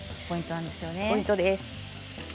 ポイントです。